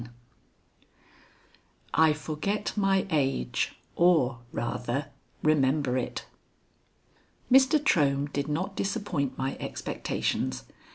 XIV I FORGET MY AGE, OR, RATHER, REMEMBER IT Mr. Trohm did not disappoint my expectations.